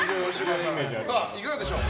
いかがでしょう？